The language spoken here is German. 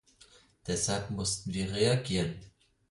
Deshalb mussten wir reagieren.